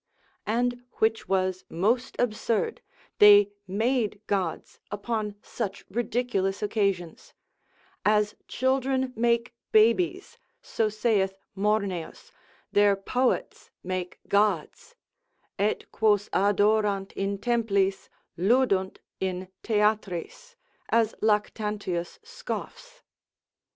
And which was most absurd, they made gods upon such ridiculous occasions; As children make babies (so saith Morneus), their poets make gods, et quos adorant in templis, ludunt in Theatris, as Lactantius scoffs.